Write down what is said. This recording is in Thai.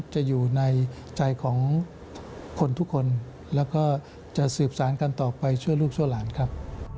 จะอยู่ในใจของคนทุกคนแล้วก็จะสืบสารกันต่อไปชั่วลูกชั่วหลานครับ